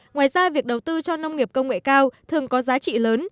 ngoài ra việc đầu tư cho nông nghiệp công nghệ cao thường có giá trị lớn